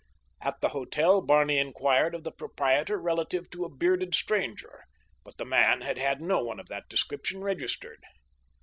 At the hotel Barney inquired of the proprietor relative to a bearded stranger, but the man had had no one of that description registered.